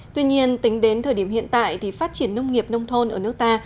tuy nhiên tính đến thời điểm hiện tại thì phát triển nông nghiệp nông thôn ở nước ta